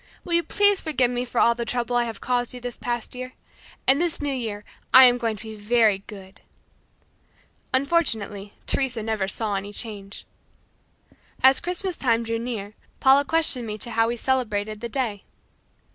Will you please forgive me for all the trouble I have caused you this past year? And this new year, I am going to be very good." Unfortunately Teresa never saw any change. As Christmas time drew near, Paula questioned me as to how we celebrated that day.